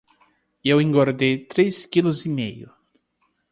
Eu engordei três quilos e meio.